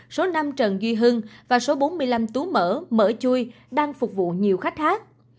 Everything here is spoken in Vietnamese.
số năm trần duy hưng và số bốn mươi năm tú mở mở chui đang phục vụ nhiều khách khác